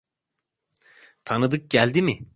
Tanıdık geldi mi?